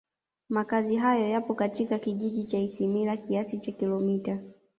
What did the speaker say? Makazi hayo yapo katika Kijiji cha Isimila kiasi cha Kilomita